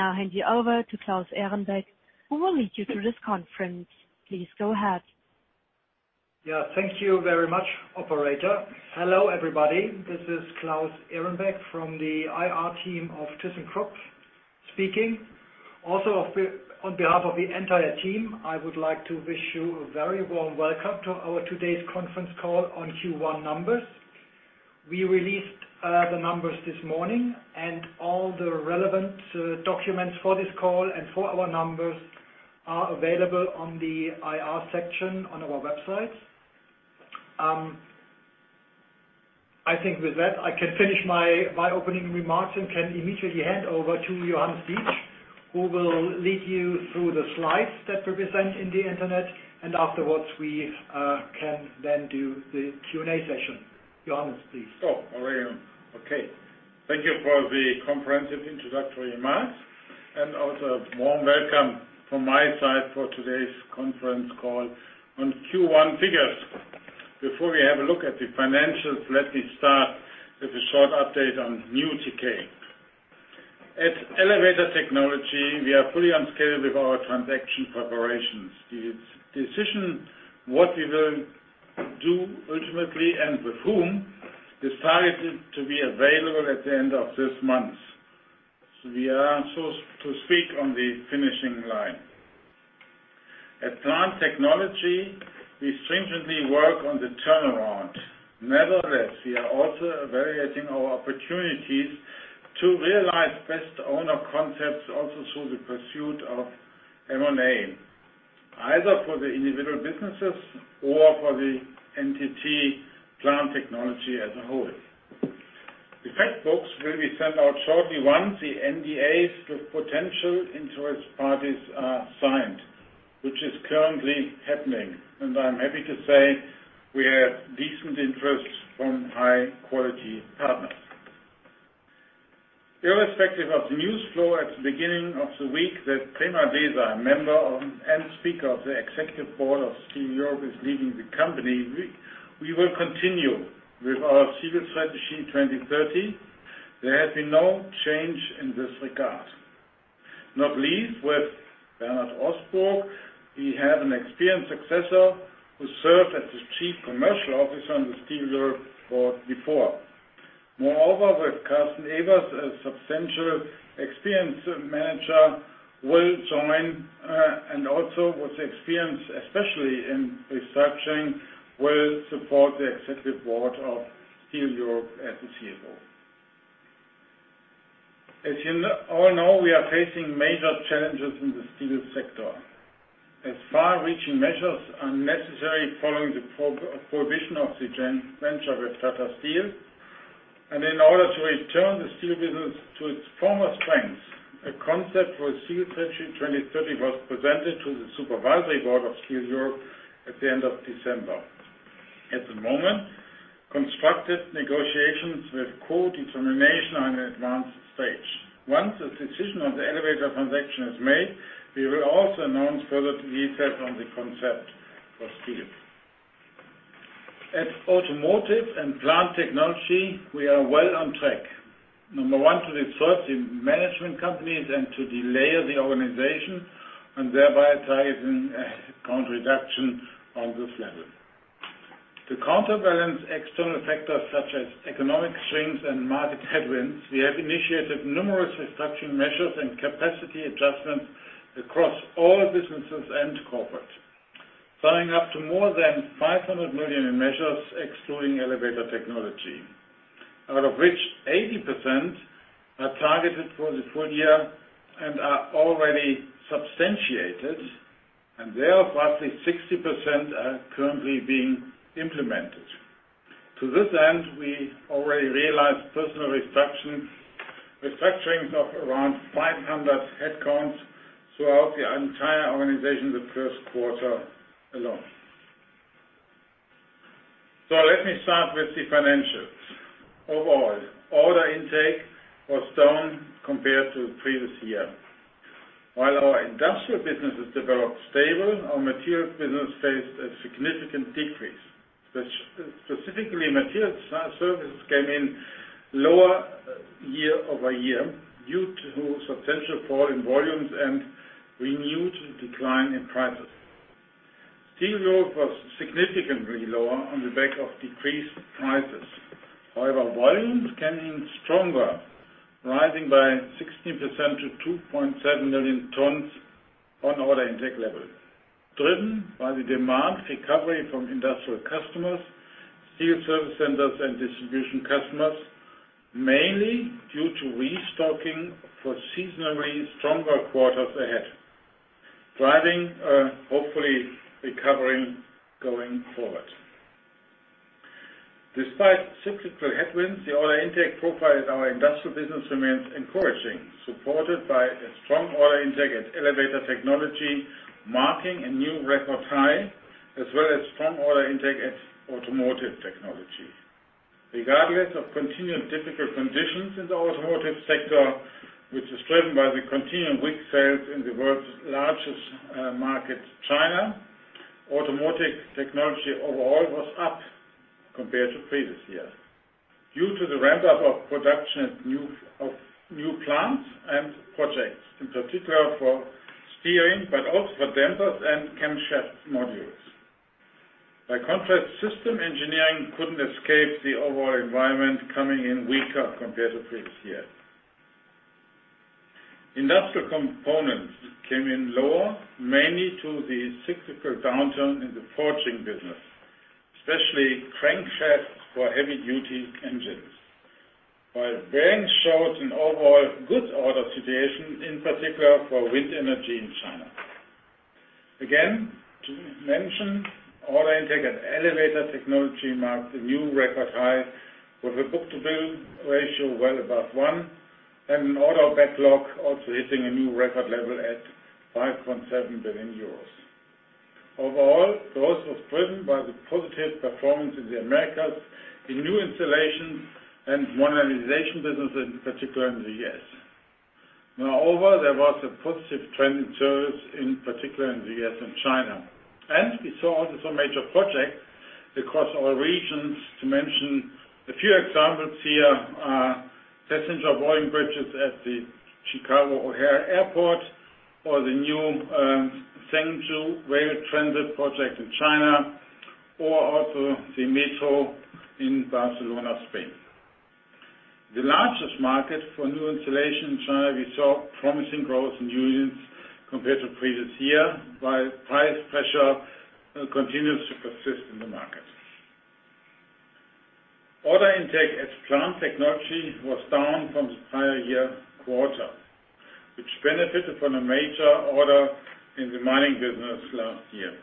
I'll hand you over to Claus Ehrenbeck, who will lead you through this conference. Please go ahead. Yeah, thank you very much, Operator. Hello, everybody. This is Claus Ehrenbeck from the IR team of ThyssenKrupp speaking. Also, on behalf of the entire team, I would like to wish you a very warm welcome to our today's conference call on Q1 numbers. We released the numbers this morning, and all the relevant documents for this call and for our numbers are available on the IR section on our website. I think with that, I can finish my opening remarks and can immediately hand over to Johannes Dietsch, who will lead you through the slides that we present in the internet. And afterwards, we can then do the Q&A session. Johannes, please. Thank you for the comprehensive introductory remarks, and also a warm welcome from my side for today's conference call on Q1 figures. Before we have a look at the financials, let me start with a short update on Nucera. At Elevator Technology, we are fully on schedule with our transaction preparations. The decision what we will do ultimately and with whom is targeted to be available at the end of this month. So we are close to the finishing line. At Plant Technology, we stringently work on the turnaround. Nevertheless, we are also evaluating our opportunities to realize best owner concepts also through the pursuit of M&A, either for the individual businesses or for the entity Plant Technology as a whole. The teasers will be sent out shortly once the NDAs with potential interested parties are signed, which is currently happening. I'm happy to say we have decent interest from high-quality partners. Irrespective of the news flow at the beginning of the week that Premal Desai, a member and speaker of the executive board of Steel Europe, is leaving the company, we will continue with our Steel Strategy 2030. There has been no change in this regard. Not least with Bernhard Osburg. We have an experienced successor who served as the chief commercial officer on the Steel Europe board before. Moreover, with Carsten Evers, a substantial experienced manager, will join, and also with the experience, especially in researching, will support the executive board of Steel Europe as a CFO. As you all know, we are facing major challenges in the steel sector. As far-reaching measures are necessary following the prohibition of the joint venture with Tata Steel, and in order to return the steel business to its former strengths, a concept for Steel Strategy 2030 was presented to the supervisory board of Steel Europe at the end of December. At the moment, constructive negotiations with co-determination are in an advanced stage. Once a decision on the elevator transaction is made, we will also announce further details on the concept for steel. At Automotive and Plant Technology, we are well on track. Number one, to restructure the management companies and to delayer the organization, and thereby targeting cost reduction on this level. To counterbalance external factors such as economic strains and market headwinds, we have initiated numerous restructuring measures and capacity adjustments across all businesses and corporates, summing up to more than 500 million in measures excluding elevator technology, out of which 80% are targeted for the full year and are already substantiated, and therefore roughly 60% are currently being implemented. To this end, we already realized personnel restructurings of around 500 headcounts throughout the entire organization the Q1 alone. So let me start with the financials. Overall, order intake was down compared to the previous year. While our industrial businesses developed stable, our materials business faced a significant decrease. Specifically, Materials Services came in lower year over year due to substantial fall in volumes and renewed decline in prices. Steel Europe was significantly lower on the back of decreased prices. However, volumes came in stronger, rising by 16% to 2.7 million tons on order intake level, driven by the demand recovery from industrial customers, steel service centers, and distribution customers, mainly due to restocking for seasonally stronger quarters ahead, driving hopefully recovery going forward. Despite cyclical headwinds, the order intake profile in our industrial business remains encouraging, supported by a strong order intake at Elevator Technology, marking a new record high, as well as strong order intake at Automotive Technology. Regardless of continued difficult conditions in the automotive sector, which is driven by the continued weak sales in the world's largest market, China, Automotive Technology overall was up compared to previous years due to the ramp-up of production at new plants and projects, in particular for steering, but also for dampers and camshaft modules. By contrast, Plant Technology couldn't escape the overall environment, coming in weaker compared to previous years. Industrial Components came in lower, mainly due to the cyclical downturn in the forging business, especially crankshafts for heavy-duty engines, while bearings showed an overall good order situation, in particular for wind energy in China. Again, to mention, order intake at Elevator Technology marked a new record high with a book-to-bill ratio well above one, and an order backlog also hitting a new record level at 5.7 billion euros. Overall, those were driven by the positive performance in the Americas, in new installations and modernization businesses, in particular in the U.S. Moreover, there was a positive trend in service, in particular in the U.S. and China. We saw also some major projects across all regions. To mention a few examples, here are passenger-boarding bridges at the Chicago O'Hare Airport, or the new Zhengzhou Rail Transit project in China, or also the metro in Barcelona, Spain. The largest market for new installation in China, we saw promising growth in units compared to previous year, while price pressure continues to persist in the market. Order intake at Plant Technology was down from the prior year quarter, which benefited from a major order in the mining business last year.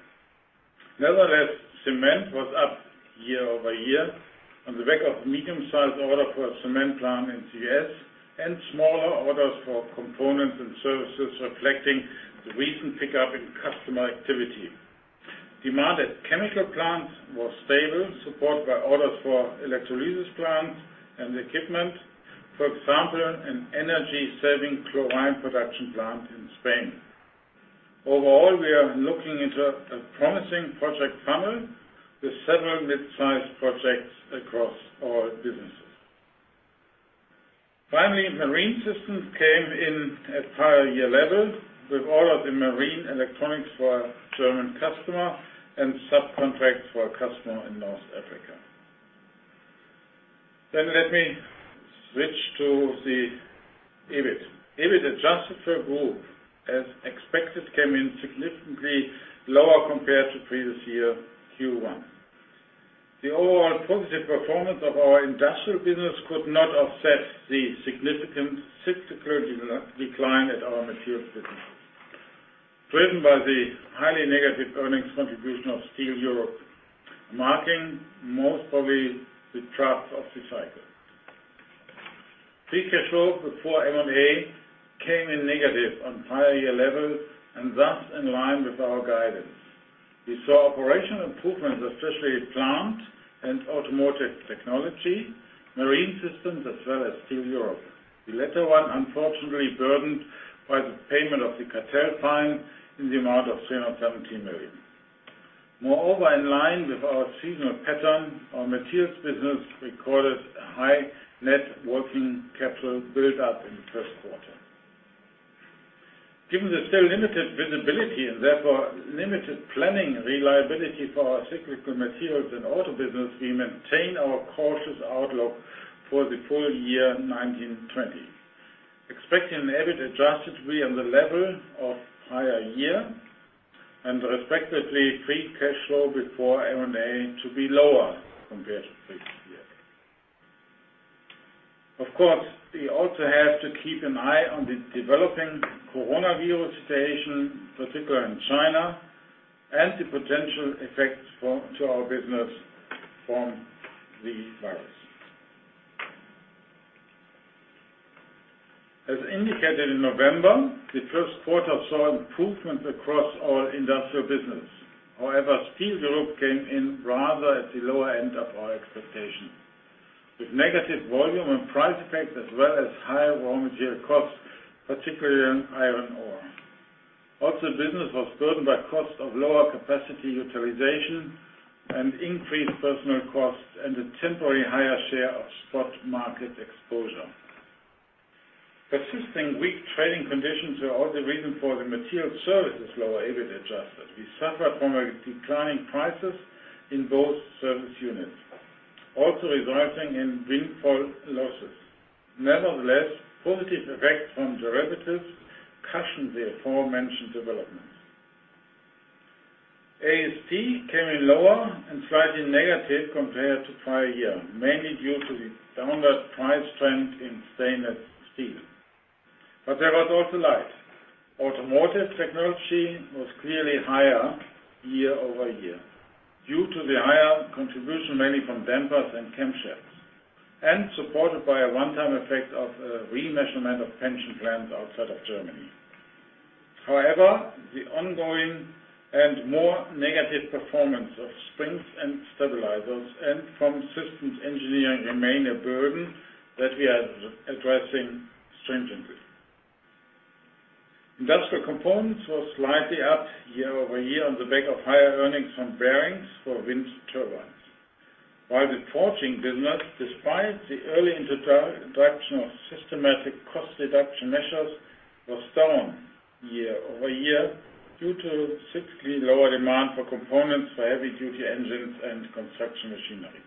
Nevertheless, cement was up year over year on the back of medium-sized order for a cement plant in the U.S. and smaller orders for components and services, reflecting the recent pickup in customer activity. Demand at chemical plants was stable, supported by orders for electrolysis plants and equipment, for example, an energy-saving chlorine production plant in Spain. Overall, we are looking into a promising project funnel with several mid-sized projects across all businesses. Finally, Marine Systems came in at prior year level with orders in marine electronics for a German customer and subcontract for a customer in North Africa. Then let me switch to the EBIT. EBIT adjusted for group, as expected, came in significantly lower compared to previous year, Q1. The overall positive performance of our industrial business could not offset the significant cyclical decline at our materials business, driven by the highly negative earnings contribution of Steel Europe, marking most probably the trough of the cycle. Pre-cash flow before M&A came in negative on prior year level and thus in line with our guidance. We saw operational improvements, especially Plant and Automotive Technology, Marine Systems, as well as Steel Europe. The latter one, unfortunately, burdened by the payment of the cartel fine in the amount of 370 million. Moreover, in line with our seasonal pattern, our materials business recorded a high net working capital build-up in the Q1. Given the still limited visibility and therefore limited planning reliability for our cyclical materials and auto business, we maintain our cautious outlook for the full year 2020, expecting an EBIT adjusted to be on the level of prior year and respectively free cash flow before M&A to be lower compared to previous year. Of course, we also have to keep an eye on the developing coronavirus situation, particularly in China, and the potential effects to our business from the virus. As indicated in November, the Q1 saw improvements across all industrial businesses. However, Steel Europe came in rather at the lower end of our expectation, with negative volume and price effects, as well as high raw material costs, particularly in iron ore. Also, business was burdened by costs of lower capacity utilization and increased personnel costs and a temporary higher share of spot market exposure. Persisting weak trading conditions were also the reason for the Materials Services' lower EBIT adjusted. We suffered from declining prices in both service units, also resulting in windfall losses. Nevertheless, positive effects from derivatives cushioned the aforementioned developments. AST came in lower and slightly negative compared to prior year, mainly due to the downward price trend in stainless steel, but there was also light. Automotive Technology was clearly higher year over year due to the higher contribution, mainly from dampers and camshafts, and supported by a one-time effect of a remeasurement of pension plans outside of Germany. However, the ongoing and more negative performance of springs and stabilizers and from systems engineering remain a burden that we are addressing stringently. Industrial Components were slightly up year over year on the back of higher earnings from bearings for wind turbines, while the forging business, despite the early introduction of systematic cost deduction measures, was down year over year due to significantly lower demand for components for heavy-duty engines and construction machinery.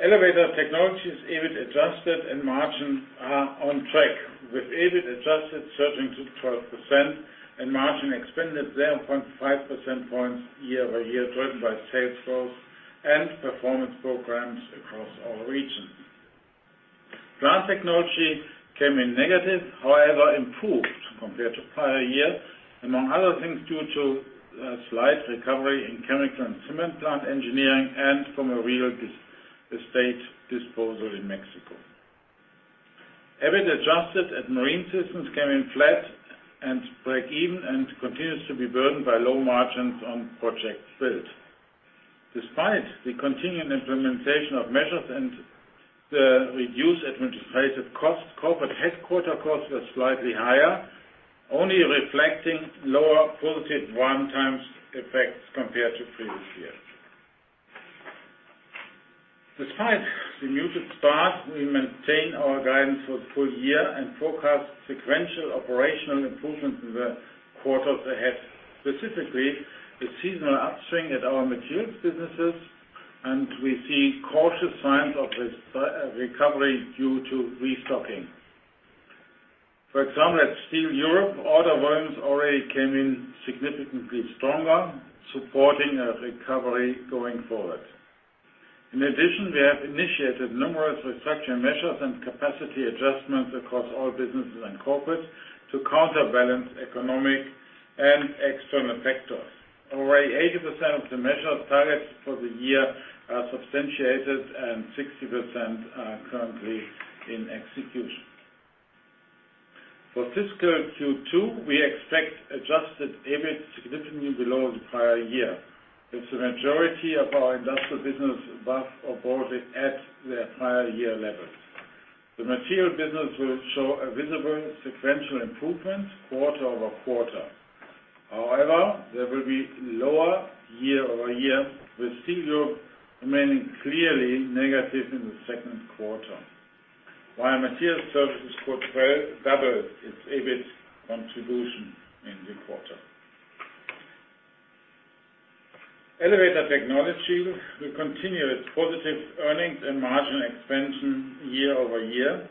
Elevator Technology's EBIT adjusted and margin are on track, with EBIT adjusted surging to 12% and margin expanded 0.5 percentage points year over year, driven by sales growth and performance programs across all regions. Plant Technology came in negative, however improved compared to prior year, among other things due to a slight recovery in chemical and cement plant engineering and from a real estate disposal in Mexico. EBIT adjusted at Marine Systems came in flat and break even and continues to be burdened by low margins on project build. Despite the continued implementation of measures and the reduced administrative costs, corporate headquarters costs were slightly higher, only reflecting lower positive run-rate effects compared to previous year. Despite the muted start, we maintain our guidance for the full year and forecast sequential operational improvements in the quarters ahead. Specifically, a seasonal upswing at our materials businesses, and we see cautious signs of recovery due to restocking. For example, at Steel Europe, order volumes already came in significantly stronger, supporting a recovery going forward. In addition, we have initiated numerous restructuring measures and capacity adjustments across all businesses and corporates to counterbalance economic and external factors. Already 80% of the measures' targets for the year are substantiated, and 60% are currently in execution. For fiscal Q2, we expect adjusted EBIT significantly below the prior year, with the majority of our industrial business above or bordering at their prior year levels. The Materials business will show a visible sequential improvement quarter over quarter. However, there will be lower year over year, with Steel Europe remaining clearly negative in the second quarter, while Materials Services could double its EBIT contribution in the quarter. Elevator Technology will continue its positive earnings and margin expansion year over year,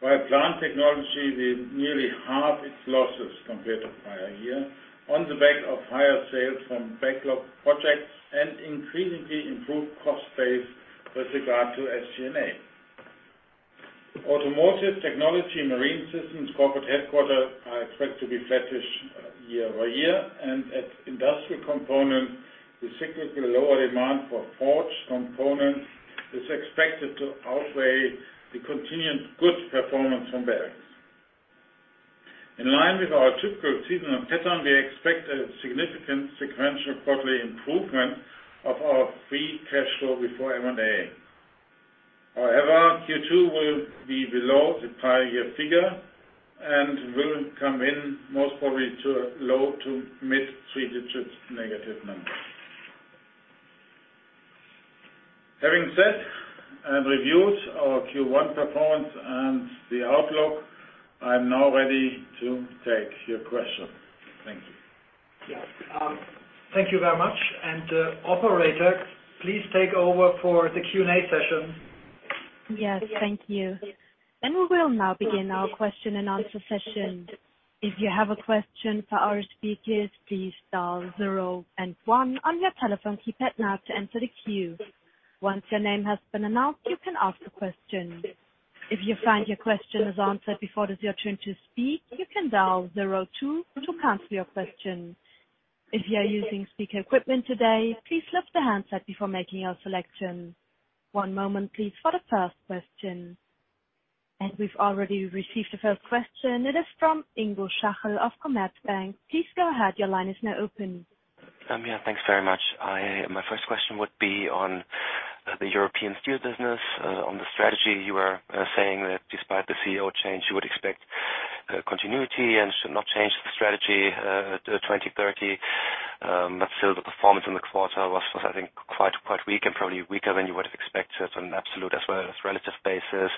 while Plant Technology will nearly halve its losses compared to prior year on the back of higher sales from backlog projects and increasingly improved cost base with regard to SG&A. Automotive Technology, Marine Systems, Corporate Headquarters are expected to be flattish year over year, and at Industrial Components, the cyclical lower demand for forged components is expected to outweigh the continued good performance from bearings. In line with our typical seasonal pattern, we expect a significant sequential quarterly improvement of our pre-cash flow before M&A. However, Q2 will be below the prior year figure and will come in most probably to low to mid three-digit negative numbers. Having said and reviewed our Q1 performance and the outlook, I'm now ready to take your question. Thank you. Thank you very much, and Operator, please take over for the Q&A session. Yes, thank you. Then we will now begin our question and answer session. If you have a question for our speakers, please dial 0 and 1 on your telephone keypad now to enter the queue. Once your name has been announced, you can ask a question. If you find your question is answered before it is your turn to speak, you can dial 02 to cancel your question. If you are using speaker equipment today, please lift the handset before making your selection. One moment, please, for the first question. And we've already received the first question. It is from Ingo Schachel of Commerzbank. Please go ahead. Your line is now open. Yeah, thanks very much. My first question would be on the European steel business, on the strategy. You were saying that despite the CEO change, you would expect continuity and should not change the strategy to 2030, but still the performance in the quarter was, I think, quite weak and probably weaker than you would have expected on an absolute as well as relative basis.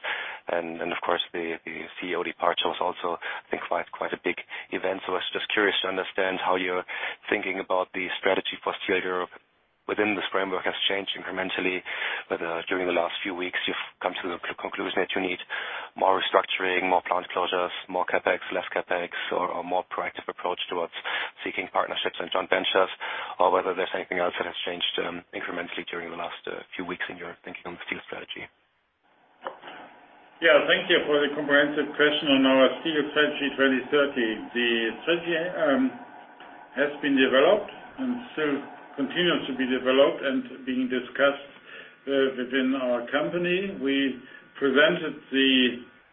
And then, of course, the CEO departure was also, I think, quite a big event. So I was just curious to understand how you're thinking about the strategy for Steel Europe within this framework has changed incrementally. Whether during the last few weeks, you've come to the conclusion that you need more restructuring, more plant closures, more CapEx, less CapEx, or a more proactive approach towards seeking partnerships and joint ventures, or whether there's anything else that has changed incrementally during the last few weeks in your thinking on the steel strategy. Yeah, thank you for the comprehensive question on our steel strategy 2030. The strategy has been developed and still continues to be developed and being discussed within our company. We presented the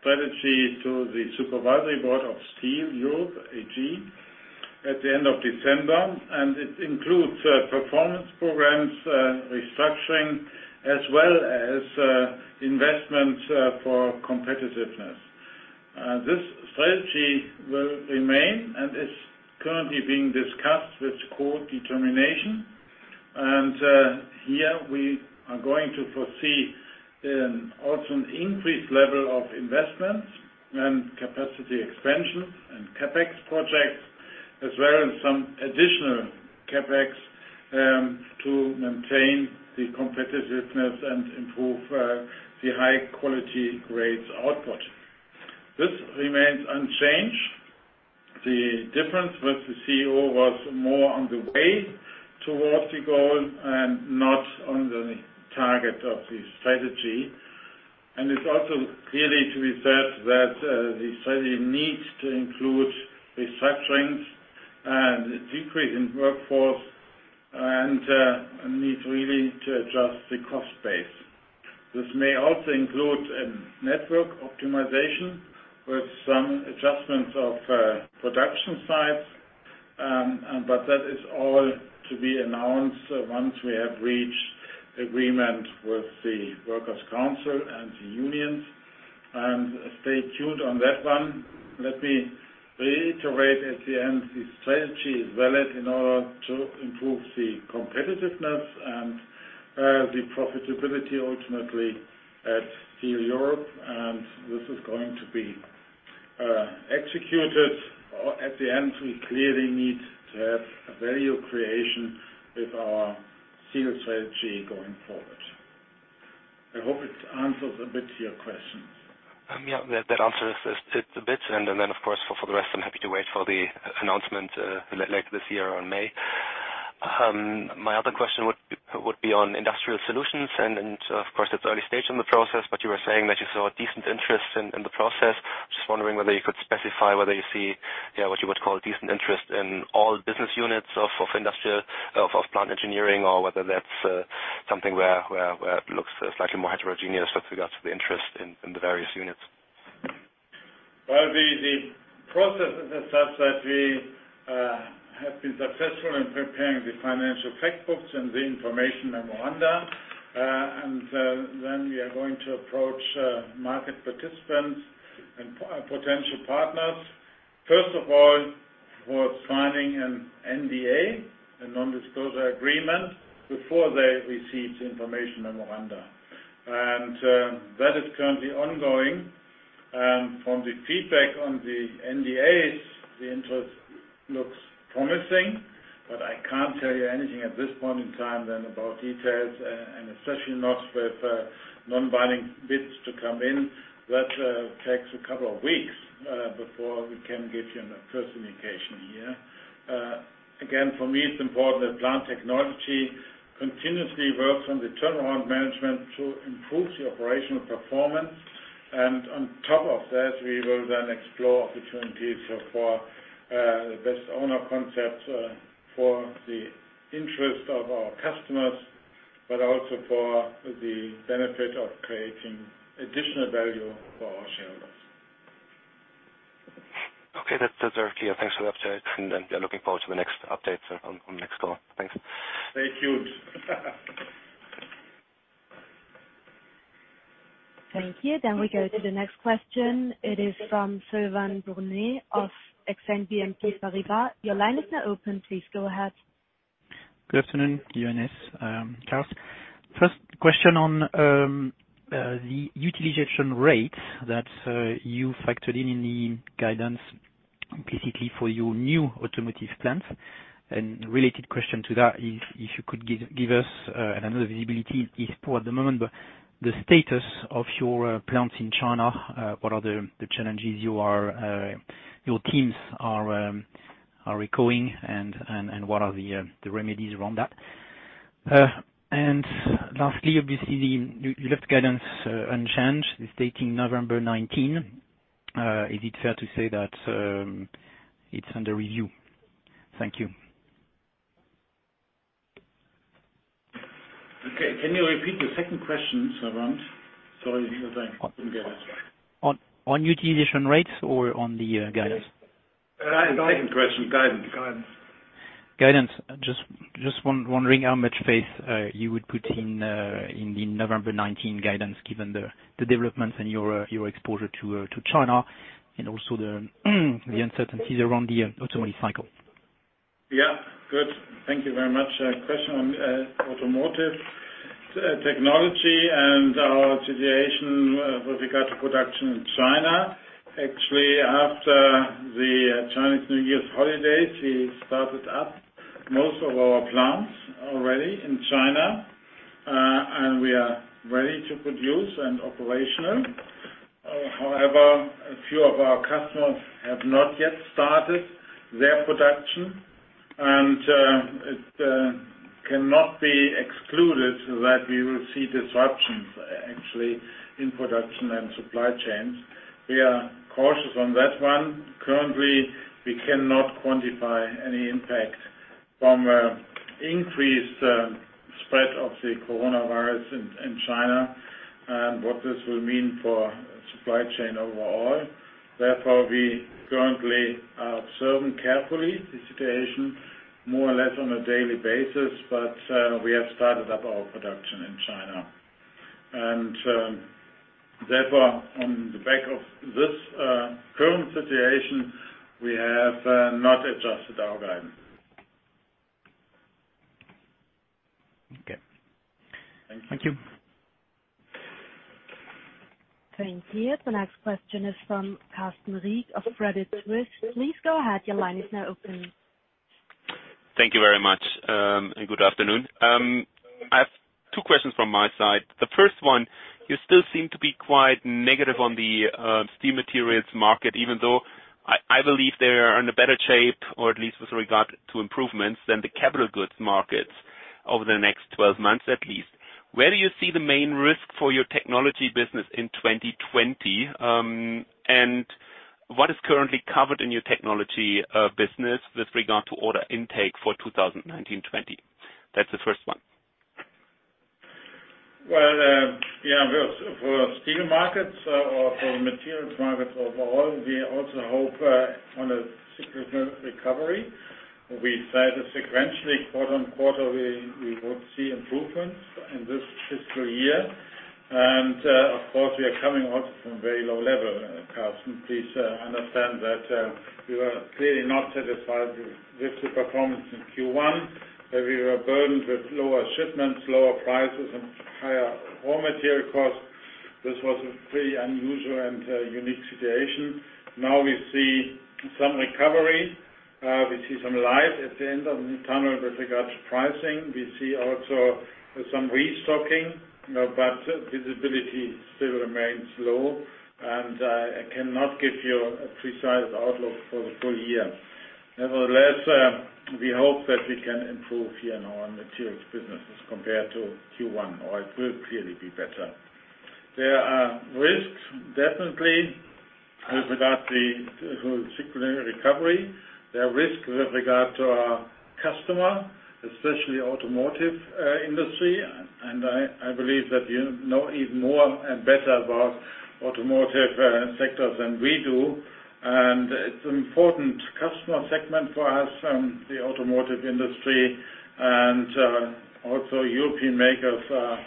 strategy to the supervisory board of Steel Europe AG at the end of December, and it includes performance programs, restructuring, as well as investments for competitiveness. This strategy will remain and is currently being discussed with co-determination, and here we are going to foresee also an increased level of investments and capacity expansion and CapEx projects, as well as some additional CapEx to maintain the competitiveness and improve the high-quality grades output. This remains unchanged. The difference with the CEO was more on the way towards the goal and not on the target of the strategy. It's also clearly to be said that the strategy needs to include restructuring and decrease in workforce and needs really to adjust the cost base. This may also include network optimization with some adjustments of production sites, but that is all to be announced once we have reached agreement with the Workers' Council and the unions. And stay tuned on that one. Let me reiterate at the end, the strategy is valid in order to improve the competitiveness and the profitability ultimately at Steel Europe, and this is going to be executed. At the end, we clearly need to have value creation with our steel strategy going forward. I hope it answers a bit to your questions. Yeah, that answers it a bit. And then, of course, for the rest, I'm happy to wait for the announcement later this year or in May. My other question would be on industrial solutions. And of course, it's early stage in the process, but you were saying that you saw decent interest in the process. I'm just wondering whether you could specify whether you see what you would call decent interest in all business units of plant engineering, or whether that's something where it looks slightly more heterogeneous with regards to the interest in the various units? The process is such that we have been successful in preparing the financial teasers and the information memoranda. Then we are going to approach market participants and potential partners, first of all, for signing an NDA, a non-disclosure agreement, before they receive the information memoranda. That is currently ongoing. From the feedback on the NDAs, the interest looks promising, but I can't tell you anything at this point in time then about details, and especially not with non-binding bids to come in. That takes a couple of weeks before we can give you a first indication here. Again, for me, it's important that Plant Technology continuously works on the turnaround management to improve the operational performance. On top of that, we will then explore opportunities for best owner concepts for the interest of our customers, but also for the benefit of creating additional value for our shareholders. Okay, that's very clear. Thanks for the update. And I'm looking forward to the next updates on the next call. Thanks. Stay tuned. Thank you. Then we go to the next question. It is from Sylvain Brunet of Exane BNP Paribas. Your line is now open. Please go ahead. Good afternoon, everyone. Charles. First question on the utilization rate that you factored in the guidance implicitly for your new automotive plants, and related question to that, if you could give us another visibility, it's poor at the moment, but the status of your plants in China, what are the challenges your teams are echoing, and what are the remedies around that, and lastly, obviously, you left guidance unchanged. It's dating November 19. Is it fair to say that it's under review? Thank you. Okay. Can you repeat the second question, Sylvain? Sorry, I didn't get it. On utilization rates or on the guidance? Second question, guidance. Guidance. Just wondering how much faith you would put in the November 2019 guidance, given the developments in your exposure to China and also the uncertainties around the automotive cycle. Yeah, good. Thank you very much. Question on automotive technology and our situation with regard to production in China. Actually, after the Chinese New Year's holidays, we started up most of our plants already in China, and we are ready to produce and operational. However, a few of our customers have not yet started their production, and it cannot be excluded that we will see disruptions, actually, in production and supply chains. We are cautious on that one. Currently, we cannot quantify any impact from an increased spread of the coronavirus in China and what this will mean for supply chain overall. Therefore, we currently are observing carefully the situation, more or less on a daily basis, but we have started up our production in China, and therefore, on the back of this current situation, we have not adjusted our guidance. Okay. Thank you. Thank you. Thank you. The next question is from Carsten Riek of Credit Suisse. Please go ahead. Your line is now open. Thank you very much. And good afternoon. I have two questions from my side. The first one, you still seem to be quite negative on the steel materials market, even though I believe they are in a better shape, or at least with regard to improvements, than the capital goods markets over the next 12 months at least. Where do you see the main risk for your technology business in 2020? And what is currently covered in your technology business with regard to order intake for 2019-20? That's the first one. Well, yeah, for steel markets or for the materials markets overall, we also hope on a cyclical recovery. We said sequentially, quarter on quarter, we would see improvements in this fiscal year. And of course, we are coming out from a very low level. Carsten, please understand that we were clearly not satisfied with the performance in Q1. We were burdened with lower shipments, lower prices, and higher raw material costs. This was a pretty unusual and unique situation. Now we see some recovery. We see some light at the end of the tunnel with regard to pricing. We see also some restocking, but visibility still remains low, and I cannot give you a precise outlook for the full year. Nevertheless, we hope that we can improve here in our materials business as compared to Q1, or it will clearly be better. There are risks, definitely, with regard to the cyclical recovery. There are risks with regard to our customer, especially the automotive industry. And I believe that you know even more and better about the automotive sector than we do. And it's an important customer segment for us, the automotive industry. And also, European makers are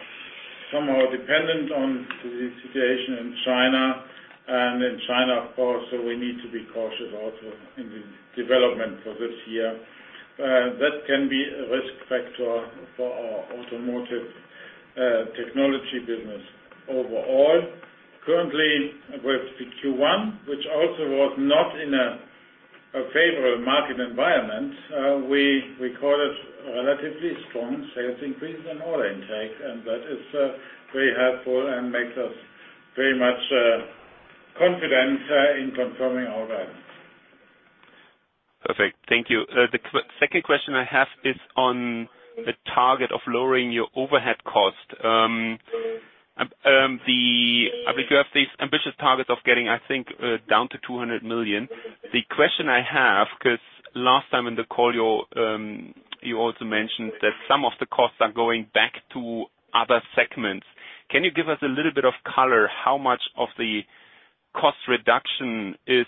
somehow dependent on the situation in China. And in China, of course, we need to be cautious also in the development for this year. That can be a risk factor for our automotive technology business overall. Currently, with the Q1, which also was not in a favorable market environment, we recorded relatively strong sales increases in order intake. And that is very helpful and makes us very much confident in confirming our guidance. Perfect. Thank you. The second question I have is on the target of lowering your overhead cost. I believe you have these ambitious targets of getting, I think, down to 200 million. The question I have, because last time in the call, you also mentioned that some of the costs are going back to other segments. Can you give us a little bit of color how much of the cost reduction is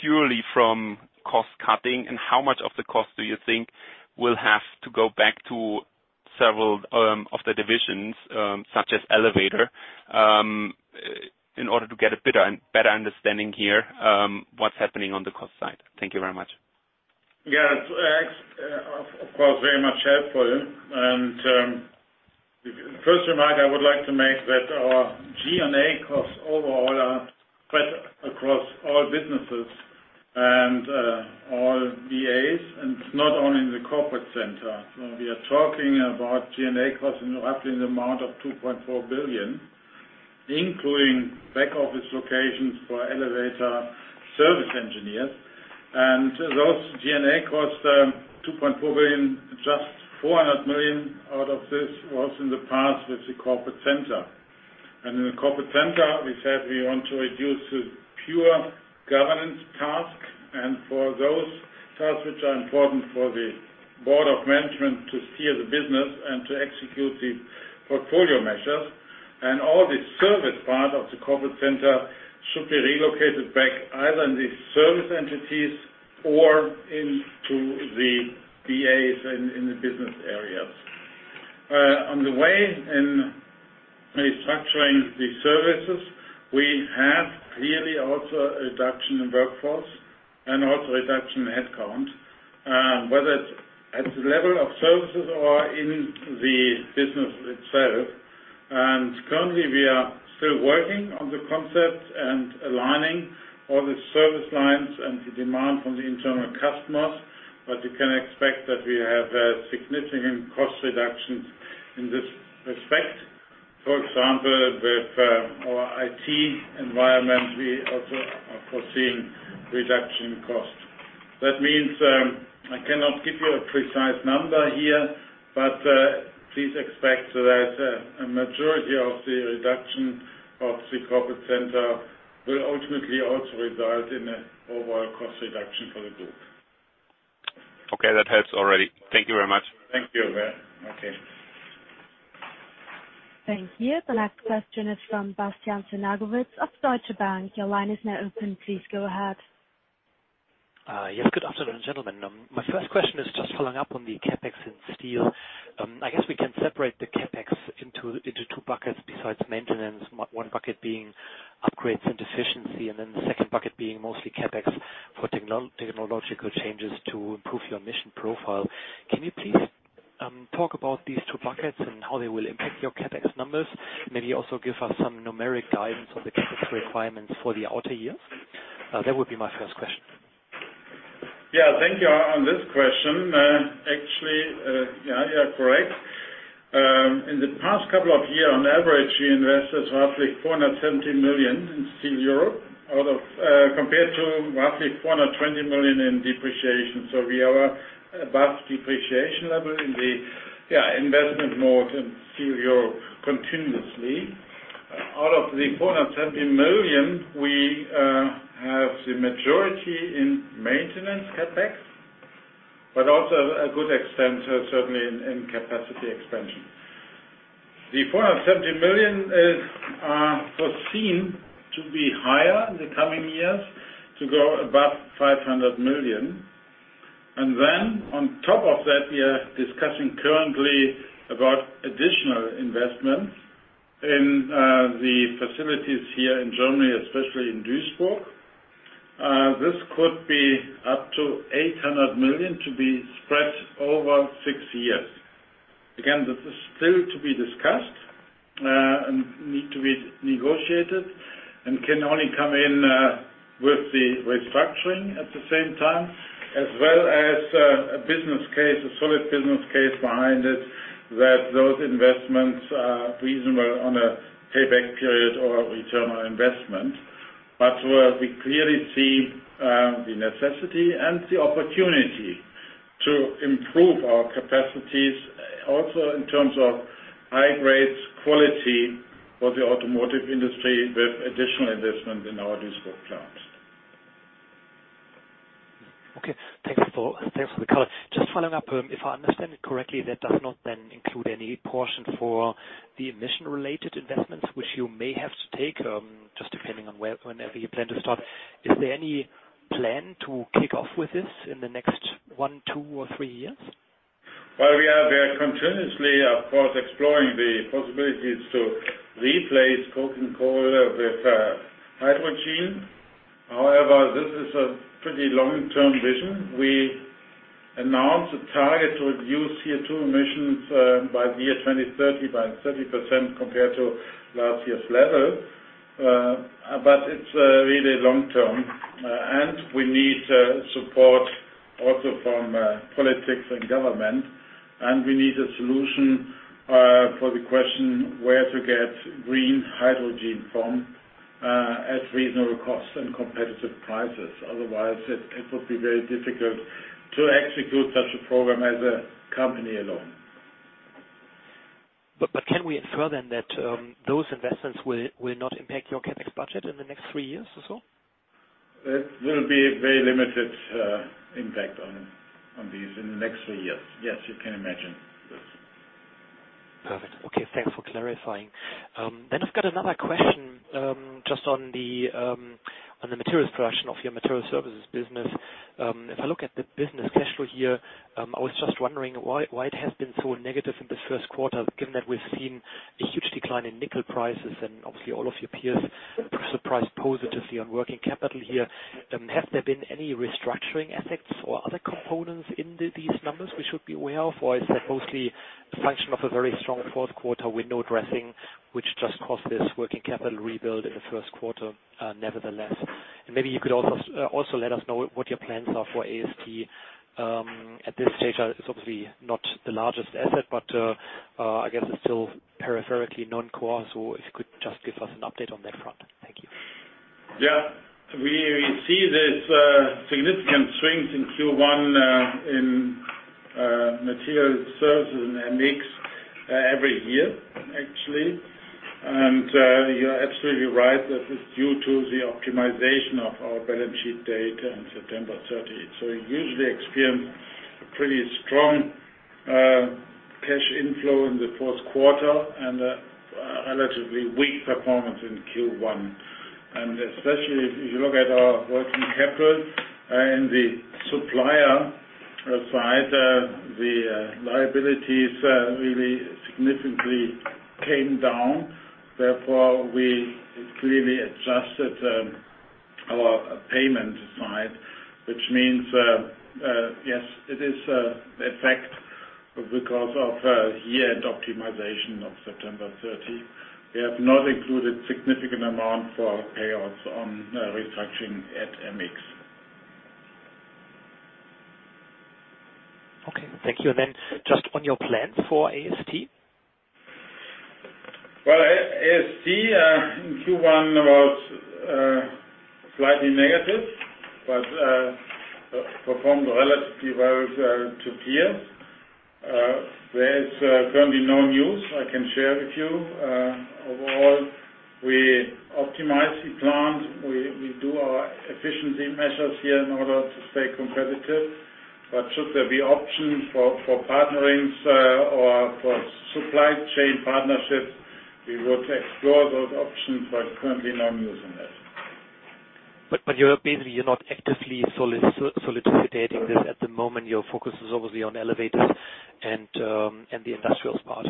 purely from cost cutting, and how much of the cost do you think will have to go back to several of the divisions, such as elevator, in order to get a better understanding here what's happening on the cost side? Thank you very much. Yeah, that's of course very much helpful. And the first remark I would like to make is that our G&A costs overall are spread across all businesses and all VAs, and it's not only in the corporate center. So we are talking about G&A costs in roughly the amount of 2.4 billion, including back office locations for elevator service engineers. And those G&A costs, 2.4 billion, just 400 million out of this was in the past with the corporate center. And in the corporate center, we said we want to reduce the pure governance task. And for those tasks which are important for the board of management to steer the business and to execute the portfolio measures, and all the service part of the corporate center should be relocated back either in the service entities or into the VAs in the business areas. On the way in restructuring the services, we have clearly also a reduction in workforce and also a reduction in headcount, whether it's at the level of services or in the business itself, and currently, we are still working on the concept and aligning all the service lines and the demand from the internal customers, but you can expect that we have significant cost reductions in this respect. For example, with our IT environment, we also are foreseeing reduction in cost. That means I cannot give you a precise number here, but please expect that a majority of the reduction of the corporate center will ultimately also result in an overall cost reduction for the group. Okay, that helps already. Thank you very much. Thank you. Okay. Thank you. The last question is from Bastian Synagowitz of Deutsche Bank. Your line is now open. Please go ahead. Yes, good afternoon, gentlemen. My first question is just following up on the CapEx in steel. I guess we can separate the CapEx into two buckets besides maintenance, one bucket being upgrades and efficiency, and then the second bucket being mostly CapEx for technological changes to improve your emission profile. Can you please talk about these two buckets and how they will impact your CapEx numbers? Maybe also give us some numeric guidance on the CapEx requirements for the outer years? That would be my first question. Yeah, thank you on this question. Actually, yeah, you're correct. In the past couple of years, on average, we invested roughly 470 million in Steel Europe compared to roughly 420 million in depreciation. So we are above depreciation level in the investment mode in Steel Europe continuously. Out of the 470 million, we have the majority in maintenance CapEx, but also a good extent, certainly, in capacity expansion. The 470 million is foreseen to be higher in the coming years to go above 500 million. And then, on top of that, we are discussing currently about additional investments in the facilities here in Germany, especially in Duisburg. This could be up to 800 million to be spread over six years. Again, this is still to be discussed and needs to be negotiated and can only come in with the restructuring at the same time, as well as a business case, a solid business case behind it, that those investments are reasonable on a payback period or return on investment. But we clearly see the necessity and the opportunity to improve our capacities, also in terms of high-grade quality for the automotive industry with additional investment in our Duisburg plants. Okay, thanks for the color. Just following up, if I understand it correctly, that does not then include any portion for the emission-related investments, which you may have to take just depending on whenever you plan to start. Is there any plan to kick off with this in the next one, two, or three years? We are continuously, of course, exploring the possibilities to replace coke and coal with hydrogen. However, this is a pretty long-term vision. We announced a target to reduce CO2 emissions by the year 2030 by 30% compared to last year's level. But it's really long-term. And we need support also from politics and government. And we need a solution for the question where to get green hydrogen from at reasonable costs and competitive prices. Otherwise, it would be very difficult to execute such a program as a company alone. But can we infer then that those investments will not impact your CapEx budget in the next three years or so? It will be a very limited impact on these in the next three years. Yes, you can imagine this. Perfect. Okay, thanks for clarifying. Then I've got another question just on the materials production of your materials services business. If I look at the business cash flow here, I was just wondering why it has been so negative in the Q1, given that we've seen a huge decline in nickel prices. And obviously, all of your peers surprised positively on working capital here. Have there been any restructuring effects or other components in these numbers we should be aware of? Or is that mostly a function of a very strong Q4 window dressing, which just caused this working capital rebuild in the Q1 nevertheless? And maybe you could also let us know what your plans are for AST. At this stage, it's obviously not the largest asset, but I guess it's still peripherally non-core. So if you could just give us an update on that front. Thank you. Yeah, we see these significant swings in Q1 in Materials Services and MX every year, actually. And you're absolutely right that it's due to the optimization of our balance sheet date on September 30. So we usually experience a pretty strong cash inflow in the Q4 and a relatively weak performance in Q1. And especially if you look at our working capital in the supplier side, the liabilities really significantly came down. Therefore, we clearly adjusted our payment side, which means, yes, it is the effect because of year-end optimization of September 30. We have not included a significant amount for payouts on restructuring at MX. Okay, thank you. And then just on your plans for AST? AST in Q1 was slightly negative, but performed relatively well to peers. There is currently no news I can share with you. Overall, we optimize the plant. We do our efficiency measures here in order to stay competitive. But should there be options for partnerings or for supply chain partnerships, we would explore those options, but currently no news on that. You're basically not actively soliciting this at the moment. Your focus is obviously on elevators and the industrials part?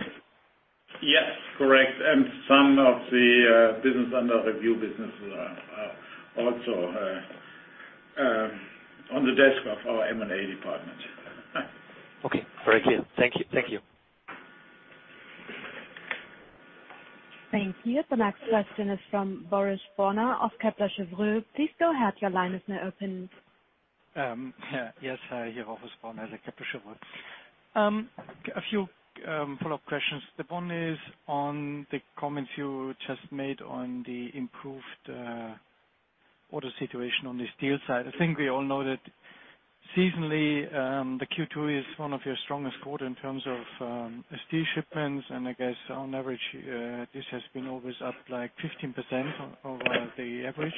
Yes, correct, and some of the business under review businesses are also on the desk of our M&A department. Okay, very clear. Thank you. Thank you. Thank you. The next question is from Rochus Brauneiser of Kepler Cheuvreux. Please go ahead. Your line is now open. Yes, hi. Rochus Brauneiser at Kepler Cheuvreux. A few follow-up questions. The one is on the comments you just made on the improved order situation on the steel side. I think we all know that seasonally, the Q2 is one of your strongest quarters in terms of steel shipments. And I guess on average, this has been always up like 15% over the average.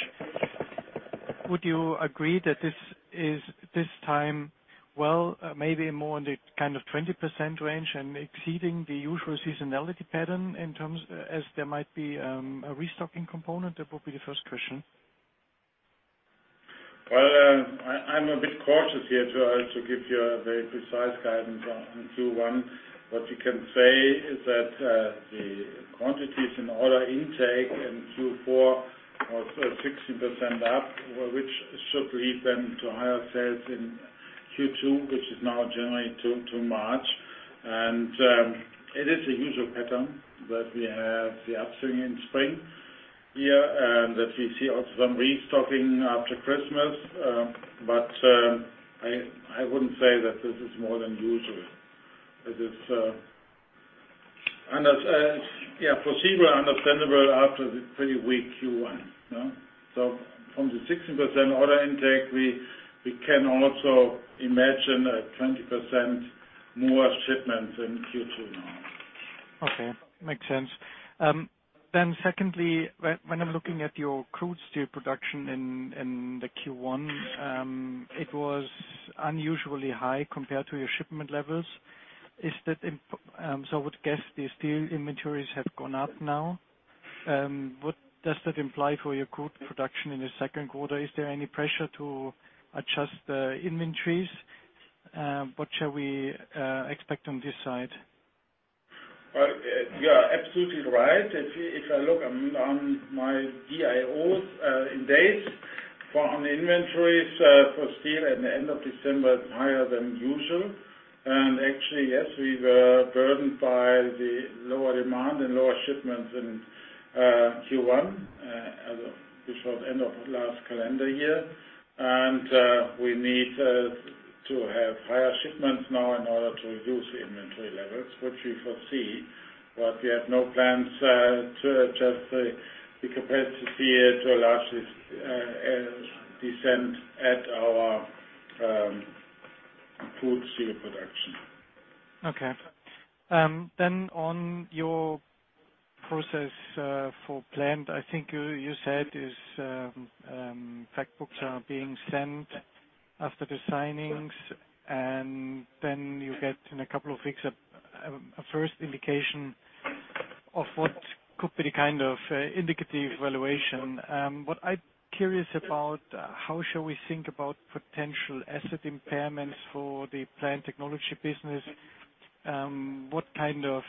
Would you agree that this time, well, maybe more in the kind of 20% range and exceeding the usual seasonality pattern in terms as there might be a restocking component? That would be the first question. I'm a bit cautious here to give you a very precise guidance on Q1. What we can say is that the quantities in order intake in Q4 was 16% up, which should lead them to higher sales in Q2, which is now generally too much. It is a usual pattern that we have the upswing in spring here and that we see also some restocking after Christmas. I wouldn't say that this is more than usual. It is foreseeable, understandable after the pretty weak Q1. From the 16% order intake, we can also imagine a 20% more shipments in Q2 now. Okay, makes sense. Then secondly, when I'm looking at your crude steel production in the Q1, it was unusually high compared to your shipment levels. So I would guess the steel inventories have gone up now. What does that imply for your crude production in the Q2? Is there any pressure to adjust the inventories? What shall we expect on this side? You are absolutely right. If I look at my DIOs in days for inventories for steel at the end of December, it's higher than usual. Actually, yes, we were burdened by the lower demand and lower shipments in Q4 before the end of last calendar year. We need to have higher shipments now in order to reduce the inventory levels, which we foresee. We have no plans to adjust the capacity to a large extent at our crude steel production. Okay. Then on your process for Plant, I think you said is fact books are being sent after the signings, and then you get in a couple of weeks a first indication of what could be the kind of indicative valuation. What I'm curious about, how shall we think about potential asset impairments for the Plant Technology business? What kind of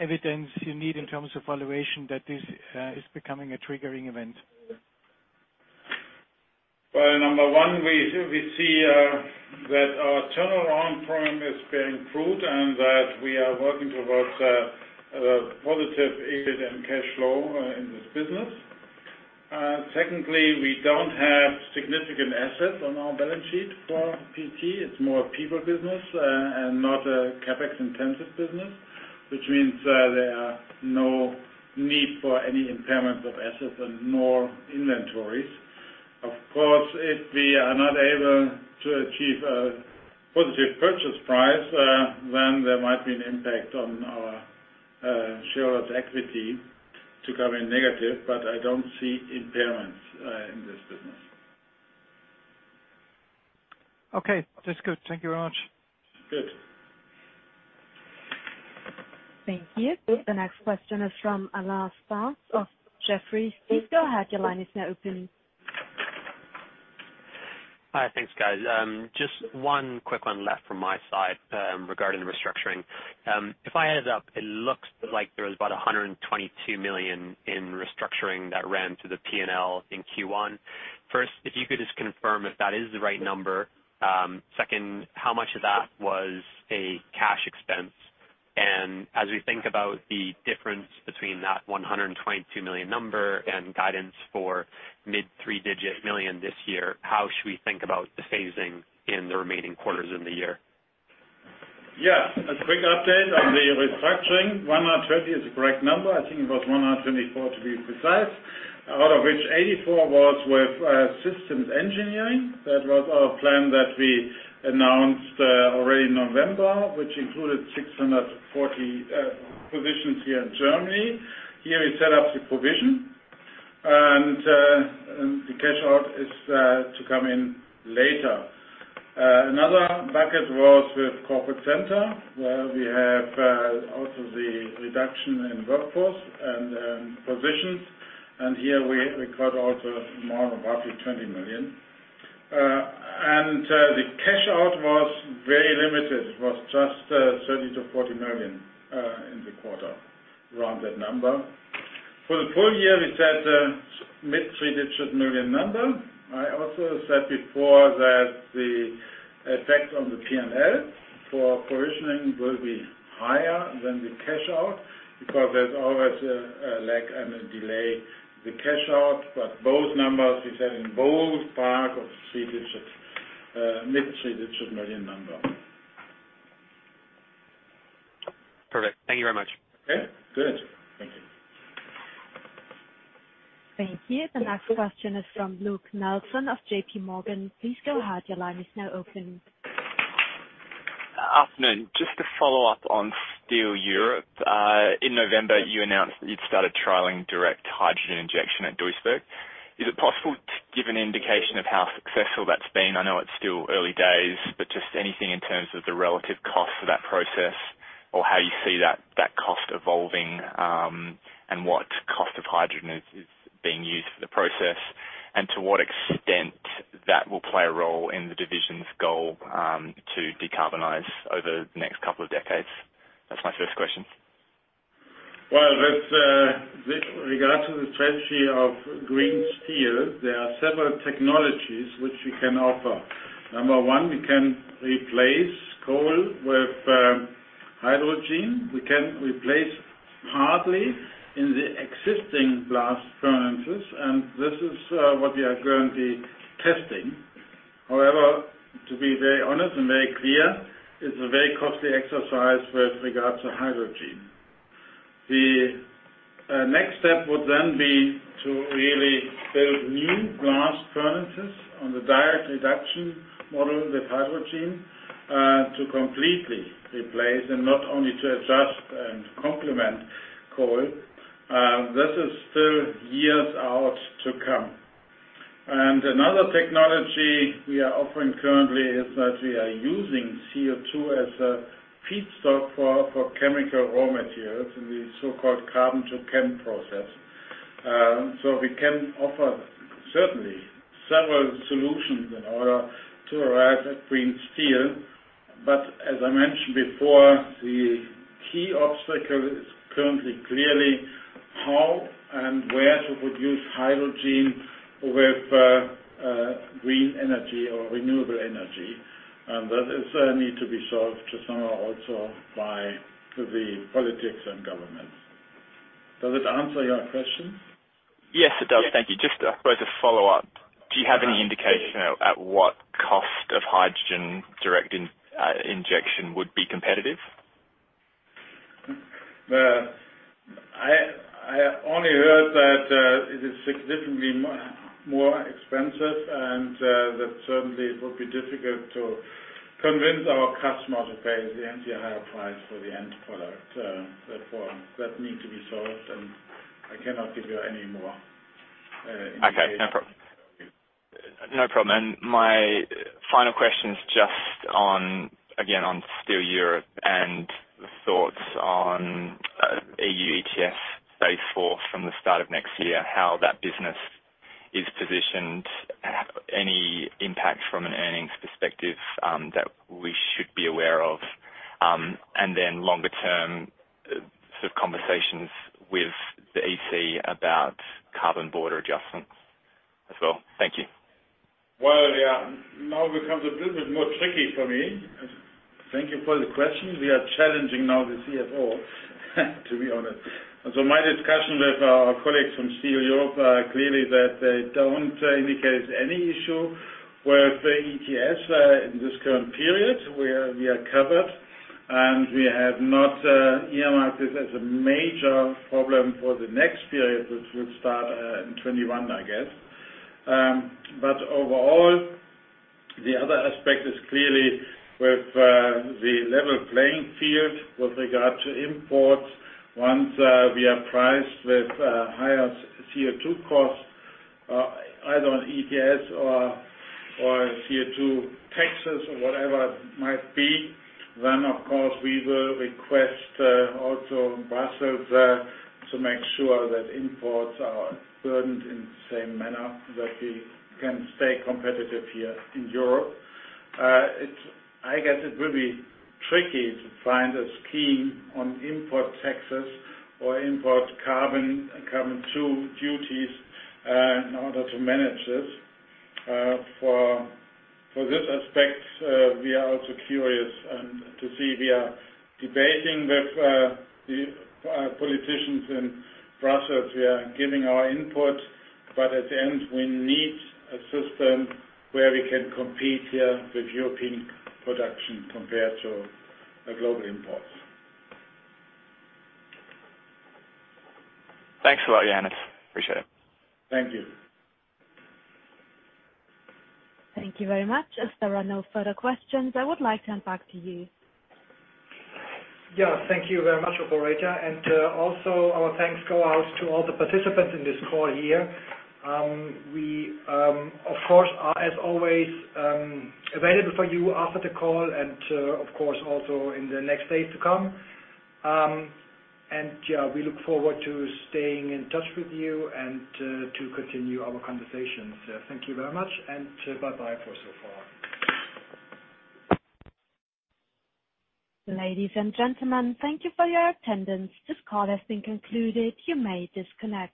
evidence you need in terms of valuation that this is becoming a triggering event? Well, number one, we see that our turnaround problem is being improved and that we are working towards a positive yield and cash flow in this business. Secondly, we don't have significant assets on our balance sheet for PT. It's more a people business and not a CapEx-intensive business, which means there are no need for any impairments of assets and nor inventories. Of course, if we are not able to achieve a positive purchase price, then there might be an impact on our shareholders' equity to come in negative. But I don't see impairments in this business. Okay, that's good. Thank you very much. Good. Thank you. The next question is from Alan Spence of Jefferies. Go ahead. Your line is now open. Hi, thanks, guys. Just one quick one left from my side regarding the restructuring. If I added up, it looks like there was about 122 million in restructuring that ran through the P&L in Q1. First, if you could just confirm if that is the right number. Second, how much of that was a cash expense? And as we think about the difference between that 122 million number and guidance for mid-three-digit million EUR this year, how should we think about the phasing in the remaining quarters in the year? Yes, a quick update on the restructuring. 120 million is the correct number. I think it was 124 million to be precise, out of which 84 million was with systems engineering. That was our plan that we announced already in November, which included 640 positions here in Germany. Here we set up the provision, and the cash out is to come in later. Another bucket was with corporate center, where we have also the reduction in workforce and positions. And here we caught also more than roughly 20 million. And the cash out was very limited. It was just 30 million-40 million in the quarter, around that number. For the full year, we set a mid-three-digit million EUR number. I also said before that the effect on the P&L for provisioning will be higher than the cash out because there's always a lag and a delay in the cash out. But both numbers, we said in both parts of mid-three-digit million number. Perfect. Thank you very much. Okay, good. Thank you. Thank you. The next question is from Luke Nelson of JPMorgan. Please go ahead. Your line is now open. Afternoon. Just to follow up on Steel Europe. In November, you announced that you'd started trialing direct hydrogen injection at Duisburg. Is it possible to give an indication of how successful that's been? I know it's still early days, but just anything in terms of the relative cost for that process or how you see that cost evolving and what cost of hydrogen is being used for the process, and to what extent that will play a role in the division's goal to decarbonize over the next couple of decades? That's my first question. With regard to the strategy of green steel, there are several technologies which we can offer. Number one, we can replace coal with hydrogen. We can replace partly in the existing blast furnaces, and this is what we are currently testing. However, to be very honest and very clear, it's a very costly exercise with regard to hydrogen. The next step would then be to really build new blast furnaces on the direct reduction model with hydrogen to completely replace and not only to adjust and complement coal. This is still years out to come. Another technology we are offering currently is that we are using CO2 as a feedstock for chemical raw materials in the so-called Carbon2Chem process. We can offer certainly several solutions in order to arrive at green steel. But as I mentioned before, the key obstacle is currently clearly how and where to produce hydrogen with green energy or renewable energy. And that is a need to be solved to some also by the politics and governments. Does it answer your question? Yes, it does. Thank you. Just as a follow-up, do you have any indication at what cost of hydrogen direct injection would be competitive? I only heard that it is significantly more expensive and that certainly it would be difficult to convince our customers to pay the higher price for the end product. Therefore, that need to be solved, and I cannot give you any more information. Okay, no problem. No problem. And my final question is just, again, on Steel Europe and the thoughts on EU ETS going forth from the start of next year, how that business is positioned, any impact from an earnings perspective that we should be aware of, and then longer-term sort of conversations with the EC about carbon border adjustments as well. Thank you. Now becomes a little bit more tricky for me. Thank you for the question. We are challenging now the CFO, to be honest. My discussion with our colleagues from Steel Europe clearly that they don't indicate any issue with the EU ETS in this current period where we are covered, and we have not earmarked this as a major problem for the next period, which will start in 2021, I guess. Overall, the other aspect is clearly with the level playing field with regard to imports. Once we are priced with higher CO2 costs, either on EU ETS or CO2 taxes or whatever it might be, then of course we will request also Brussels to make sure that imports are burdened in the same manner that we can stay competitive here in Europe. I guess it will be tricky to find a scheme on import taxes or import carbon border duties in order to manage this. For this aspect, we are also curious to see. We are debating with the politicians in Brussels. We are giving our input, but at the end, we need a system where we can compete here with European production compared to global imports. Thanks a lot, Johannes. Appreciate it. Thank you. Thank you very much. Are there no further questions? I would like to hand back to you. Yeah, thank you very much, Operator. And also, our thanks go out to all the participants in this call here. We, of course, are as always available for you after the call and, of course, also in the next days to come. And yeah, we look forward to staying in touch with you and to continue our conversations. Thank you very much, and bye-bye for so far. Ladies and gentlemen, thank you for your attendance. This call has been concluded. You may disconnect.